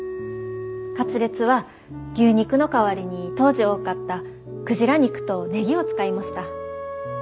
カツレツは牛肉の代わりに当時多かったクジラ肉とネギを使いました。